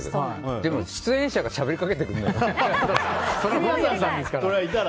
でも、出演者がしゃべりかけてくるから。